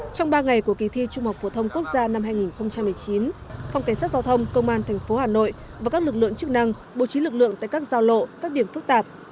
trong ba ngày của kỳ thi trung học phổ thông quốc gia năm hai nghìn một mươi chín phòng cảnh sát giao thông công an tp hà nội và các lực lượng chức năng bố trí lực lượng tại các giao lộ các điểm phức tạp